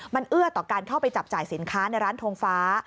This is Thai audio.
มันเอื้อต่อการเข้าไปจับจ่ายสินค้าในร้านทงฟ้า